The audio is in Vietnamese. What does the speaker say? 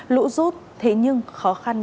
lũ rút thế nhưng khó khăn